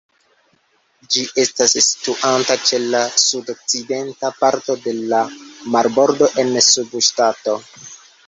Ĝi estas situanta ĉe la sudokcidenta parto de la marbordo en la subŝtato.